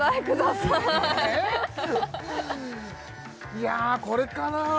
いやこれかな？